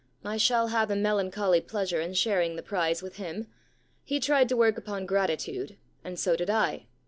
I shall have a melan choly pleasure in sharing the prize with him. He tried to work upon gratitude, and so did 1.